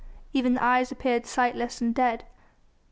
Even the eyes appeared sightless and dead.